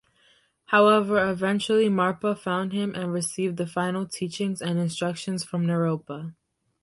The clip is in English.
However eventually Marpa found him and received the final teachings and instructions from Naropa.